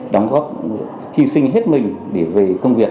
đóng góp hy sinh hết mình để về công việc